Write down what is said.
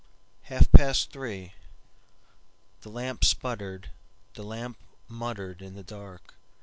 Half past three, The lamp sputtered, The lamp muttered in the dark.